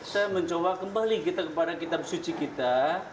saya mencoba kembali kita kepada kitab suci kita